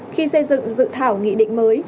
khi xây dựng dự thảo nghị định mới